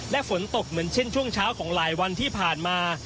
และฝนตกเหมือนเช่นช่วงเช้าของหลายวันที่ผ่านมา